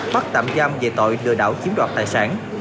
bắt tạm giam về tội lừa đảo chiếm đoạt tài sản